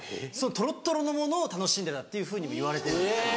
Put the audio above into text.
トロットロのものを楽しんでたっていうふうにもいわれてる。